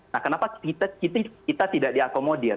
nah kenapa kita tidak diakomodir